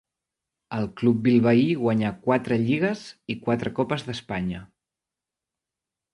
Al club bilbaí guanyà quatre lligues i quatre copes d'Espanya.